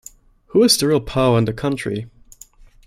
Who is the real power in the country?